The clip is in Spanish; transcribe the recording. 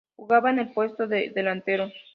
Jugaba en el puesto de delantero.